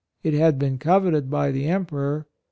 It had been coveted by the Emperor.